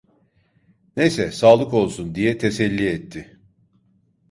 "Neyse sağlık olsun!" diye teselli etti.